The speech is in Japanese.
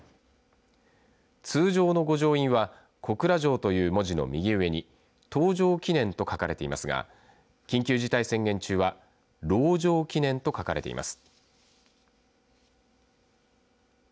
通常の御城印は小倉城という文字の右上に登城記念と書かれていますが緊急事態宣言中は籠城記念と書かれています。